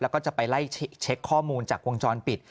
แล้วก็จะไปไล่เช็คข้อมูลจากวงจรปิด